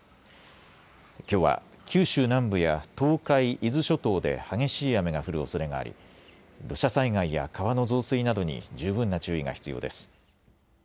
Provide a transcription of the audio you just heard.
きょうは九州南部や東海、伊豆諸島で激しい雨が降るおそれがあり土砂災害や川の増水などに十分な注意が必要です。